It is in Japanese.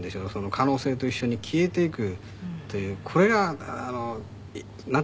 可能性と一緒に消えていくというこれがなんていうんでしょう。